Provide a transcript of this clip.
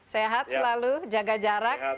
sehat selalu jaga jarak